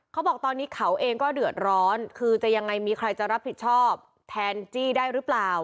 เขาบอกตอนนี้เขาเองก็เดือดร้อนคือจะยังไงมีใครจะรับผิดชอบแทนจี้ได้หรือเปล่า